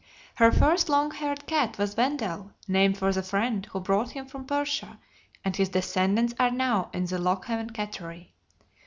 Her first long haired cat was Wendell, named for the friend who brought him from Persia, and his descendants are now in the Lockehaven Cattery.